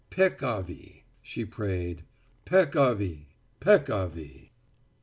"Peccavi," she prayed, "peccavi, peccavi."